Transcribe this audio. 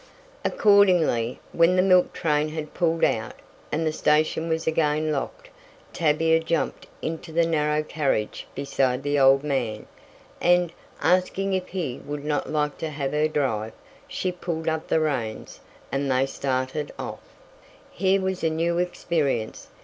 Accordingly, when the milk train had pulled out, and the station was again locked, Tavia jumped into the narrow carriage beside the old man, and, asking if he would not like to have her drive, she pulled up the reins, and they started off. Here was a new experience.